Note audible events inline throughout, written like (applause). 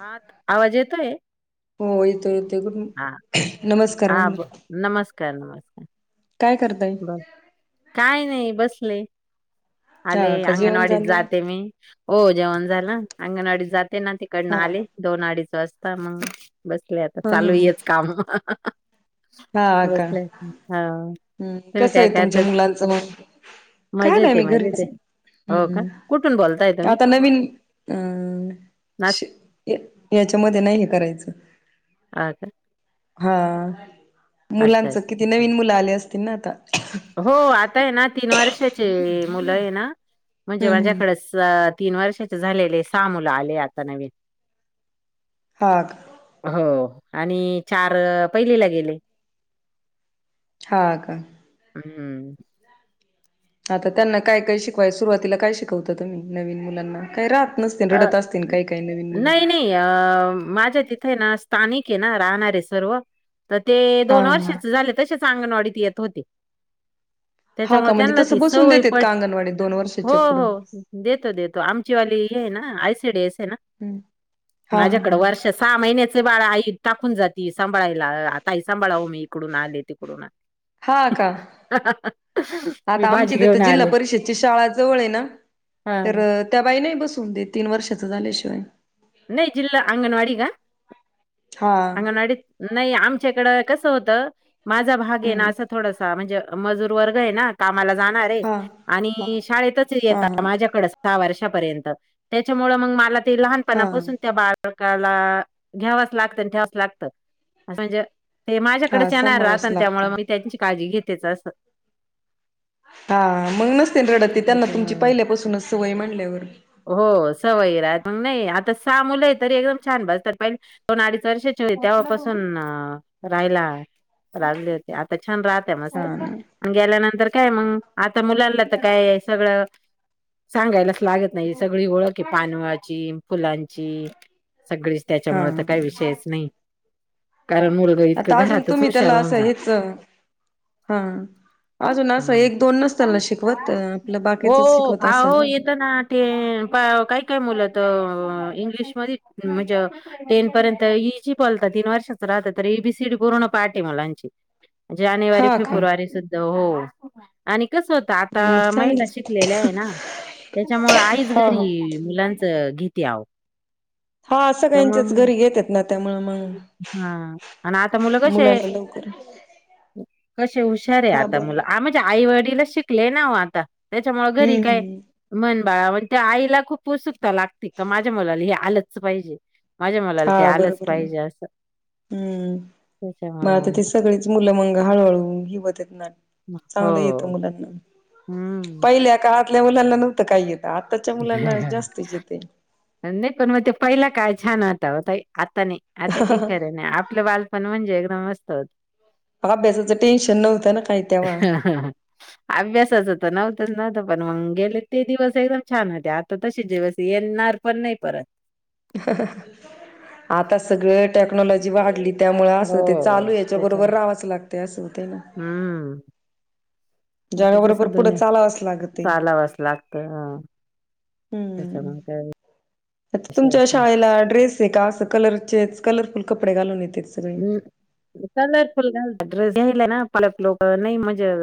हा आवाज येतोय? हो येतो येतो गुड हा नमस्कार! म्हणले. कर नमस्कार! बर काय नाही बसले. आले हा का जेवण अंगणवाडीत झालं जाते मी हो जेवण झालं अंगणवाडीत जात. तेना तिकडनं हा आले दोन अडीच वाजता मग. बसले आता हा हा चालूयच काम. हा अ का बसले हा हम्म. तुम्ही कसं काय आहे काय तुमच्या तर मुलांचं मग का मजेत नाही आहे मी मजेत घरीच आहे हो का हम्. कुठून बोलताय तुम्ही आता नवीन नास अ याच्यामध्ये नाही का. करायचं. ह का. हा अच्छा मुलांच अच्छा किती नवीन मुलं आले असतील ना आता. हम्म हो आता आहे ना तीन वर्षाचे मुलं आहे ना म्हणजे हम्म माझ्याकडेच. तीन वर्षाचे झालेले सहा मुलं आले आता नवीन. हा का हो! आणि चार पहिलीला गेले. हा का. हम्म! आता त्यांना काय काय शिकवाय सुरुवातीला काय शिकवता तुम्ही नवीन मुलांना काय राह. अ नाही नाही अ माझ्या तिथ. ना स्थानिक आहे ना राहणारे सर्व तर ते हा दोन हा वर्षाच झाले तसेच अंगणवाडीत येत. तोते. हा त्याच्यामुळे का म्हणजे त्यांना ती तसं बसून सवय देतेत पट का अंगणवाडीत दोन हो वर्षाच्या पुढं हो देतो देतो आमची वाली. आ हम्म हा माझ्याकड हा वर्ष सहा महि. बाळा आई टाकून जाती सांभाळायला आता आई सांभाळाव मी इकडून आले तिकडून. हा का मी आता आमची भाजी तर तर घेऊन जिल्हा आले. परिषदची शाळा जवळ आहे ना. तर हां. त्या बाई नाही बसून दे तीन वर्षाच झाल्याशिवाय. नाही जिल्हा अंगणवाडी का हा अंगणवाडी नाही आमच्याकडं. मा म्हण हम्म म व. म जाणार आहे हा हा आणि शाळेतच हा येत हा माझ्याकडे सहा वर्ष. त्याच्या मुळ मला टी लहान हा पनापासूनच संभाळायला लागते प्रकाला घ्यावाच लागतं आणि ठेवाच लागत म्हणजे. ते माझ्याकडे हा चणार राहत सांभाळावच आणि लागत त्यामु मी त्यांची काळजी घेतेच असं. हा मग नस. ड त्यांना तुमची त्याच्यामुळं पहिल्यापासूनच सवय म्हणल्यावर. आ सहा मुलं आहे तरी एकदम छान बजतात पहिले दोन अडीच वर्षाची हो तेव्हापासून रायला. लागले होते आता छान राहतय हा मस्त ना गेल्यानंतर काय मग आता मुलांना काय आहे सगळं सांगायलाच लागत नाही सगळी ओळख आहे पानवाची फुलांची सगळीच हा त्याच्यामुळे तर काही विषयच नाही. कारण मुलगा इतकं आता अजून घरातच तुम्ही हुशार त्याला होऊन असं जात. हेच. हा अजून असं हम्म. एक दोन नसता ना. शिकवत आपलं हो बाकीचच शिकवत असेल आहो येत ना ते काय काय मुलात. इंग्लिश मध्ये म्हणजे टेन पर्यंत इजी बोलतात तीन वर्षांच राहता तरी. एबीसीडी पूर्ण पाठी आहे मुलांची. जानेवारी हा का फेब्रुवारी सुद्धा हो आणि कसं होत आ. मग मला चांगलीच शिकलेल्या आहे ना त्याच्यामुळे आई हा हा घरी मुलांचा घेती आव हा त्यामुळ सगळ्यांच्याच घरी घेतात ना त्यामुळे मग हा आणि आता मुलं कसे आहे. हो. कसे हुशार आहे मुलं आता मला आई वडील शिकले ना हो आता. त्याच्यामुळे घरी हम्म काय हम्म मन बाळा म्हण त्या आईला खूप उत्सुक. लागते का माझ्या मुलाला हे आलंच पाहिजे माझ्या मुलाला ते हा आलंच बरोबर ना पाहिजे असं. हम्म मग त्याच्यामुळे आता ते सगळीच मुलं मंग हळूहळू हिवत येत ना मग चांगलं येतं हो मुलांना हम्म. पहिल्या काळातल्या मुलांना नव्हतं काही येत. नाही पण मग ते पहिला काय छान होता ओ ताई आता नाही आता काही खरं नाही आपलं बालपण म्हणजे एकदम होत हो तेव्हा अभ्यासाच तर नव्हतच नव्हत. पण मग गेले ते दिवस एकदम छान होते आता तसे दिवस येणार पण नाही परत. आता सगळ टेक्नॉलॉजी वाढली. त्यामुळे असं ते चालू हो याच्या बरोबर त्याच्या रावाचं लागते असं होते ना. हम्म आता जगा बरोबर जसं पुढे दुनिया चालावच लागत य त्याच्या मग काय? आता तुमच्या विषयच शाळेला ड्रेस आहे का? अस कलरचेच कलरफुल कपडे घालून येते. हम्म कलरफुल घालतात ड्रेसला ना पलक लोक नाही मजा-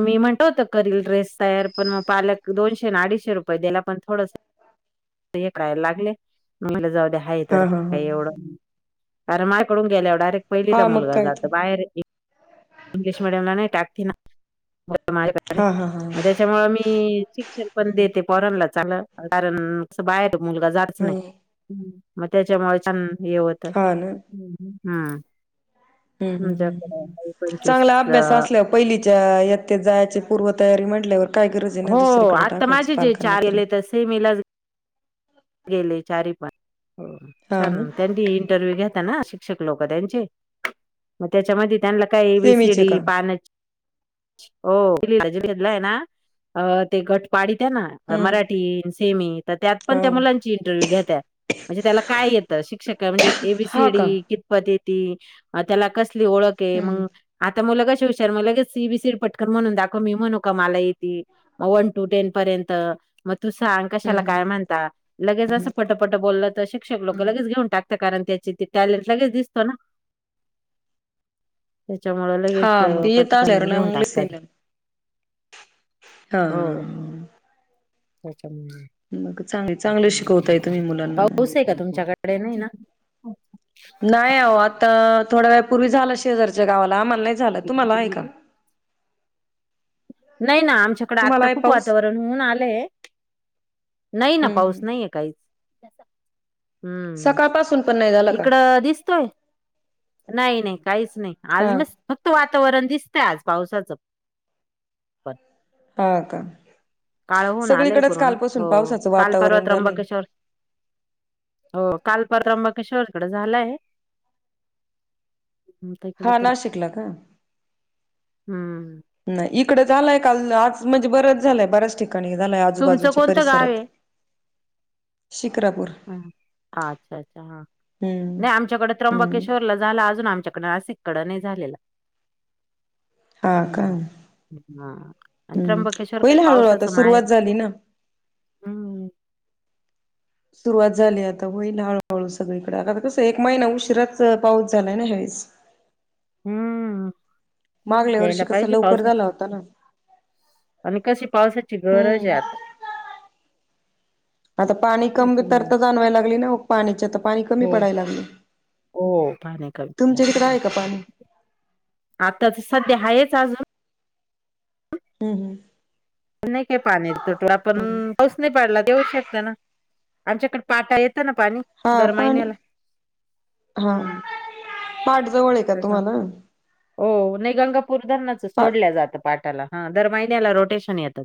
मी म्हणतो होत करील ड्रेस तयार पण मग पालक दोनशे ना अडीचशे रुपये दिला पण थोडस. हे करायला लागले मग म जाऊ दे. आहे हा तर हा हा काही एवढं अमाकडून गेल्या वर डायरेक्ट. पहिलीला हा मग मुलगा काय तर जात बाहेर. इंग्लिश मिडीयम ला नाही टाकती ना? माझ्याकडे हा हा हा मग त्याच्यामुळे मी शिक्षण पण देते पोरांनाच. ल कारण बाहेर मुलगा जाच ह नाही मग त्याच्यामुळे छान. येवत हा ना हम्म हम्म हम् हम्म्याकडे (unintelligible) चांगला अभ्यास असल्यावर पहिलीच्या इयत्तेत जायची पूर्वतयारी म्हटल्यावर? काही गरज आहे ना हो, दुसरीकडे आता टाकायची माझे जे पालकांना तरी? गेले तर सेमीलाच गेले चारी पण हो हा ना छान त्यांनी इंटरव्यू घेता ना. शिक्क लोक त्यांचे मग त्याच्यामध्ये त्यांना काय सेमीचे का एबीसीडी पान. हो भेदलाय ना अ ते गटपाडी (unintelligible) ना हम्म मराठी सेमी तर त्यात पण- हा मुलां इंटरव्ह्यू घेता. म्हणजे त्याला काय येत शिक्षक म्हणजे हा एबीसीडी का कितप त्याला कसली ओळख हम्म मग आता मुलं कशे. आती हुशार ए बी सी डी पटकन म्हणून दाखव मी म्हणू का मला येती वन टू टेन पर्यंत म.... तू सांग कशाला हम्म काय म्हणता लगेच असं पटपट बोलल तर शिक्षक लोक हम्म लगेच घेऊन टाक. कारण त्याची ते टॅलेंट लगेच दिसतो ना. त्याच्यामुंळ लगेच हा मग येत पटकन करून आल्याला घेऊन मग टाकतात. हा. हो मग चांगले चांगले शिकवताय तुम्ही मुलांना मग पाऊस आहे का तुमच्याकडे.? डे नाही ना? नाही आहो आता थोड्या वेळ पूर्वी झाला शेजारच्या गावाला मणा. नाही झाला. तुम्हाला आहे का? नाही ना आमच्याकडे तुम्हाला आत्ता आहे खूप पाऊस वातावरण होऊन आलंय. नाही ना पाऊस हम्म नाहीये काहीच. हम्म सकाळपासून पण नाही झाला का इकड दिसतोय. नाही नाही काहीच नाही हा आज फक्त वातावरण दिसत आज पावसाचं पण हा का? काळ होऊन आलंय सगळीकडेच पूर्ण हो कालपासून पावसाचं काल परवा वातावरण झालंय त्रंबकेश्वर हो काल परवा त्र्यंबकेश्वरकडे झालं आहे. हा नाशिकला का हम्म नाही इकडे झालाय काल आज म्हणजे बरंच झालंय बऱच ठिक ठिकाणी झालाय तुमचं आजूबाजूच्या कोणतं गाव परिसरात आहे शिकरापूर अच्छा अच्छा हा हम्म नाही आमच्याकडे हम्म त्र्यंबकेश्वरला झालं अजून आमच्याकडे असे. तिकडने झालेला. हा का? हम्म हां. आणि हम्म त्र्यंबकेश्वर होईल काही हळूहळू आता पावसाचं सुरुवात माहेर झाली ना. हं, सुरुवात झाली आता होईल हळूहळू सगळीकडे आ कस एक महिना उशिराच पाऊस झालाय ना हे. बस. हं. मागल्या वर्षी यायला कस पाहिजे लवकर झाला पावसाची होता ना. आणि कशी पावसाची गरज आहे हम्म आता आता पाणी कमी त्याच्यामुळे. तरता जाणवायला लागली ना पाण्याच्या तर पाणी कमी हो, पडायला लागले. हो. पाणी कमी तुमच्या तिकत्र पडायला आहे का पाणी? आता तर सध्या आहेच अजून. हम्म हम्म. नाही काय पाणी तोटो पण पाऊस नाही पाडला देऊ शकता ना आमच्याकडे पाटा येत. ना पाणी हा दर पाणी महिन्याला. हा हं, पाठ जवळ आहे का तसं. तुम्हाला? हो नाही गंगापूर धरणाच पाठ सोडल्या जातं पाटाला हा दर महिन्याला रोटेशन येत.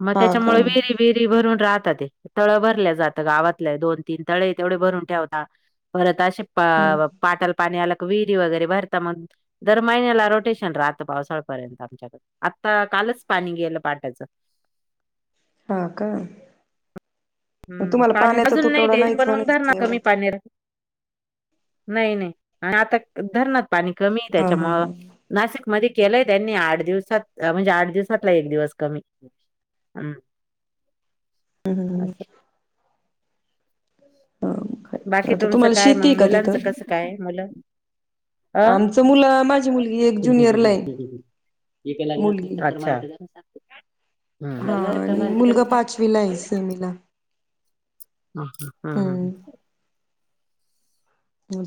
मग हा का त्याच्यामुळे विहिरी विहिरी भरून राहत ते तळ भरल्या जातं गावातलं दोन तीन तळे तेवढे भरून ठेवता परत ते आशा हम्म पाटाल पाणी आला. विहिरी वगैरे भरता मग दर महिन्याला रोटेशन राहत पावसाळपर्यंत आमच्याकडे आता कालच पाणी घ्यायला पाटायचं. हा का? मग हम् तुम्हाला पाणी पाण्याचा अजून नाही तुटवडा टेनशन नाहीच पण मग म्हणायच धरना एवढा कमी पाण्यार नाही नाही आणि आता धरण पाणी कमी आहे हा हा हा त्याच्यामुळे हम्म नाशिक मध्ये केलंय त्यांनी आठ दिवसात म्हणजे आठ दिवसातला एक दिवस कमी. हम्. हम्म हा काय बाकी आता तुमचं तुम्हाला काय शेती आहे मग का तिथं? मुलांचं कसं काय मुलं. अ आमचं मुलं माझी मुलगी एक ज्युनियरला ये. अच्छा. हा आणि मुलगा पाचवीला आहे सेमीला (unintelligible) ह ह हम् हम्म. हम.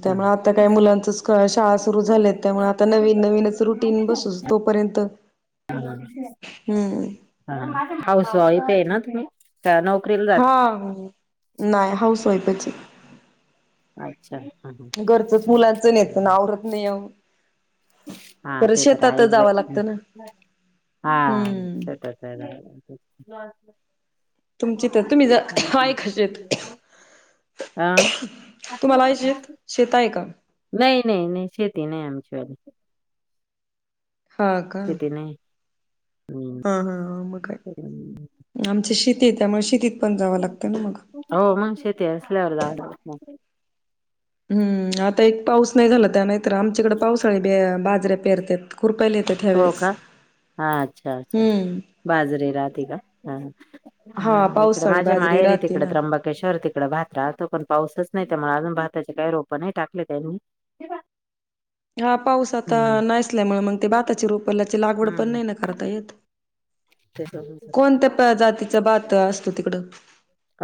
त्यामुळे आता काही मुलांचच शाळा सुरू झाल्या त्यामुळे आता नवीन नवीनच रुटीन बसू तो पण पर्यंत हा हाऊस वाईफ आहे ना तुम्ही? का नोकरीला जात? हा नाही हाऊस वाईफच. अच्छा. हं, घरचंच मुलांचं नाही होतं हं. आवरत नाही हो. हा ते तर आहेस बाई. ना हा हम्म. तर तुमची तर तुम्ही ज काय कशीेत हा शेत नाही. शेत आहे का? नाही नाही शेती नाही आमच्यावा हा का शेती नाही. हा हा मग सर जशीीत येत मगशी हो मग शेती असल्यावर जा हम्म आता एक पाऊस नाही झाला त्या नाहीतर आमच्याकडे पावसाळी बाजऱे पेरतात खुरपायला येतात हो ह्यावेेळेस का हा अच्छा अच्छा् हम्म बाजरीे राहते का ह हा इकडे पावसाळी माझ्या बाजरी मायरी राहते तिकडे ना त्र्यंबकेश्वर तिकड भात्रा तो पण पाऊसच नाही त्यामुळे अजून भाताचे काही रोप नाही टाकले त्यांनी हा पाऊस आता हम्म नाहीसल्यामुळे मग ते बाताची रोपल्याची लागवड पण हम्म नाही ना करता येत त्याच्या कोणत्या जातीचा भात असतो तिकडं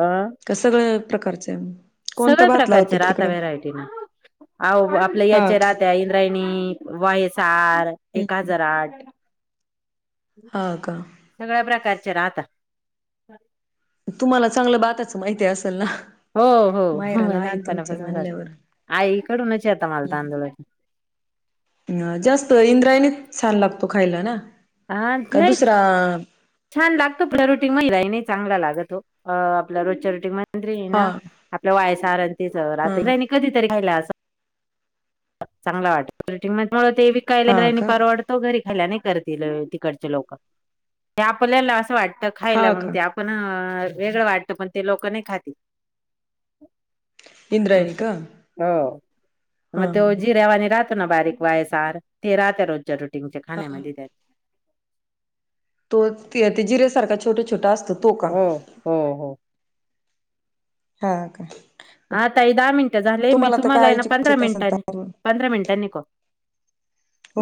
अ क सगळं प्रकारचं आहे सगळ्या प्रकारच्या राहता व्हहेरायटी ना आपल्या हा याच्या का राहता वयसार एक हम्म हजार आठ हा का सगळ्या प्रकारचे राहता तुम्हाला चांगलं भाताचं माहिती आहे असेल ना हो हो हो मायराला आहे तुमच्या लहानपणापासूनात म्हणल्यावर आई इकडूनच आता मालत आंदोलन ह जास्त इंद्रायणी छान लागतो खायला ना हा का नाही दुसरा छान लागतो रोटी म नाही चांगला लागतो आपल्या रोजच्या रोटीमध्ये म्ह हा ना आपल्या वायसारण हा तेनी कधीरी केला अस चांगला वाटतटिंग मध्ये ते विकायला हा रा का परवडतो घरी करतील तिकडचे लोक ते आपल्याला असं वाट हा खायला मग का ते आपण वेगळं वाटत पण ते लोक नाही खाती इंद्रायणी का हो म हा ते हा जी रहवानी राहतो ना बारीक वायसार ते राते रोज जरू हा खाण्या हा म लिे तो ते जिर्यासारखा छोट छोटा असतो तो का हो हो हो ह का आता हे दहा मिनिटं झाले मी तर तुम्हाला ये काय ना पंधरा ऐचीत असेल मिनिटांनी तर पंधरा मिनिटांनीक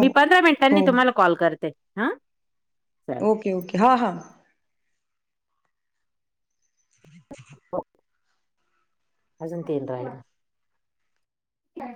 मी पंधरा मिनिटांनी हो तुम्हाला कॉल करते हा चालेल ओके ओके हा हा ह हजनंतन रा ह